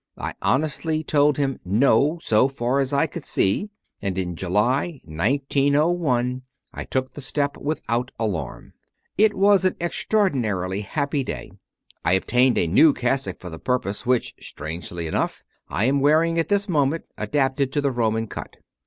I honestly told him "No, so far as I could see," and in July, 1901, I took the step without alarm. It was an extraor dinarily happy day. I obtained a new cassock for the purpose, which, strangely enough, I am wear ing at this moment, adapted to the Roman cut.